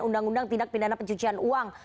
undang undang tindak pidana pencucian uang